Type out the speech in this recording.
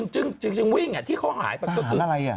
จึงวิ่งที่เขาหายไป